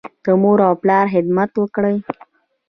د مور او پلار خدمت وکړئ.